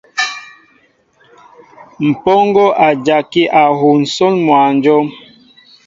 Mpoŋo a jaki a huu nsón mwănjóm.